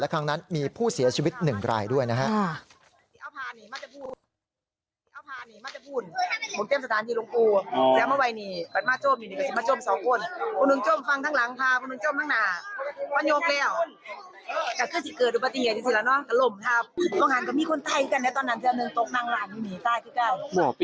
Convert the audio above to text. และครั้งนั้นมีผู้เสียชีวิตหนึ่งรายด้วยนี้